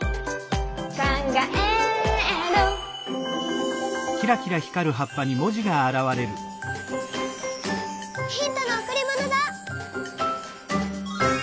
「かんがえる」ヒントのおくりものだ！